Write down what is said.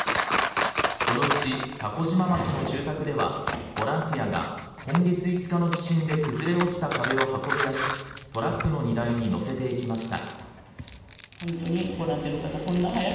このうち、蛸島町の住宅ではボランティアが今月５日の地震で崩れ落ちた壁を運び出しトラックの荷台に載せていきました。